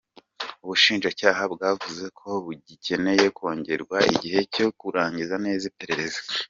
Ubushinjacyaha bwavuze ko bugikeneye kongererwa igihe cyo kurangiza neza iperereza.